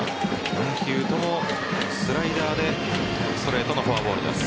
４球ともスライダーでストレートのフォアボールです。